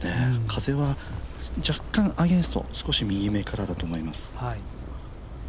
風は若干アゲンスト、少し右めからだと思います。